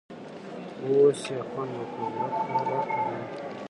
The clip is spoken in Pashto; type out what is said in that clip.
اوس یې خوند وکړ٬ ورکه ډنګ!